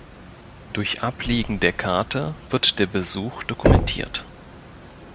Durch Ablegen der Karte wird der Besuch "dokumentiert".